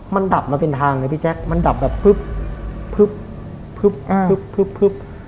มันดับมาเป็นทางมันดับแบบพึบ